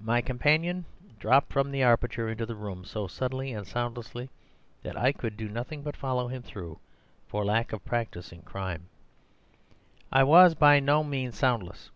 "My companion dropped from the aperture into the room so suddenly and soundlessly, that I could do nothing but follow him; though, for lack of practice in crime, I was by no means soundless.